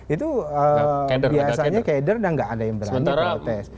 itu biasanya keder dan tidak ada yang berani protes